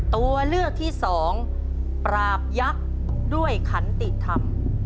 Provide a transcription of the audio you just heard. ตัวเลือกที่สองปราบยักษ์ด้วยขันติธรรม